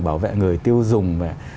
bảo vệ người tiêu dùng